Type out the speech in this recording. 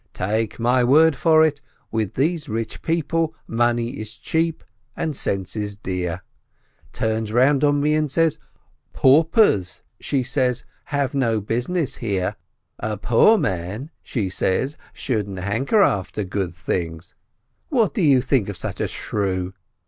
Take my word for it, with these rich people money is cheap, and sense is dear. Turns round on me and says: Paupers, she says, have no business here — a poor man, she says, shouldn't hanker after good things. What do you think of such a shrew